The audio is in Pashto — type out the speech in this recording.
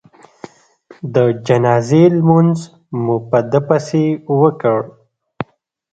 د جنازې لمونځ مو په ده پسې وکړ.